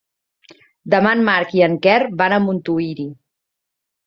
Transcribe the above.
Demà en Marc i en Quer van a Montuïri.